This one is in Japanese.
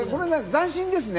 斬新ですね。